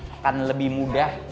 akan lebih mudah